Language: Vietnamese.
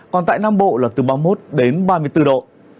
còn tại nam bộ là từ ba mươi một đến ba mươi bốn độ